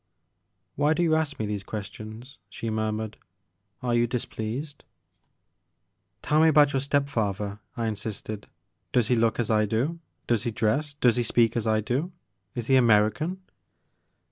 "Why do you ask me these questions, she murmured ;" are you displeased ?"Tell me about your step father, I insisted. " Does he look as I do? Does he dress, does he speak as I do ? Is he American